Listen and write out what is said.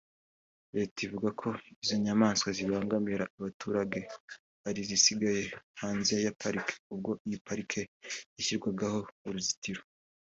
Leta ivuga ko izo nyamaswa zibangamira abaturage ari izasigaye hanze ya pariki ubwo iyi pariki yashyirwagaho uruzitiro